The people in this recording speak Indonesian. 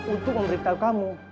untuk memberitahu kamu